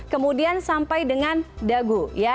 kemudian sampai dengan dagu ya